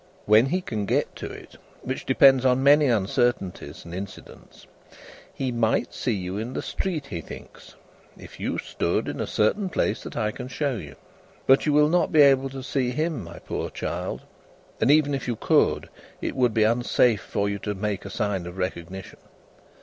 When he can get to it which depends on many uncertainties and incidents he might see you in the street, he thinks, if you stood in a certain place that I can show you. But you will not be able to see him, my poor child, and even if you could, it would be unsafe for you to make a sign of recognition."